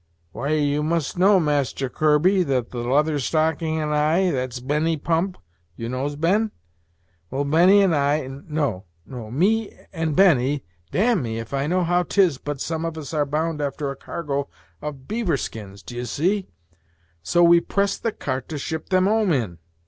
"Why, you must know, Master Kirby, that the Leather Stocking and I that's Benny Pump you knows Ben? well, Benny and I no, me and Benny; dam'me if I know how 'tis; but some of us are bound after a cargo of beaver skins, d'ye see, so we've pressed the cart to ship them 'ome in.